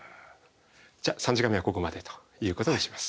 じゃあ３時間目はここまでということにします。